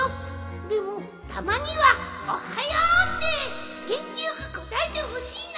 でもたまには「おはよ」ってげんきよくこたえてほしいな！